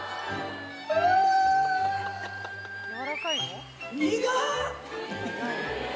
やわらかいの？